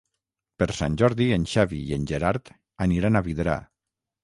Per Sant Jordi en Xavi i en Gerard aniran a Vidrà.